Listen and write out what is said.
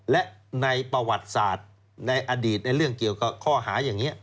และในประวัติศาสตร์ในอดีตในเรื่องเกี่ยวกับข้อหาอย่างนี้